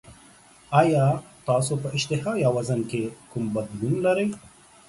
ایا تاسو په اشتها یا وزن کې کوم بدلون لرئ؟